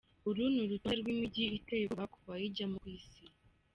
Uru ni urutonde rw’imigi iteye ubwoba kubayijyamo ku isi.